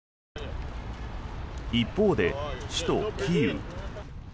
一方で首都キーウ。